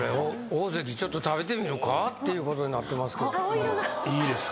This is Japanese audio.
大関ちょっと食べてみるかっていうことになってますけど。